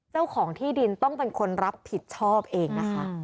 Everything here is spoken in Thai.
เจ้าของที่ดินต้องเป็นคนรับผิดชอบเองนะคะ